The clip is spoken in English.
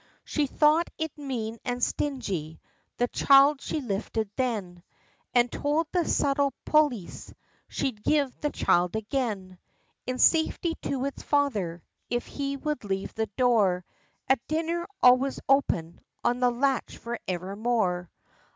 She thought it mean, and stingy, the child she lifted then And told that subtle polis, she'd give the child again, In safety to its father, if he would leave the door, At dinner, always open, on the latch for evermore.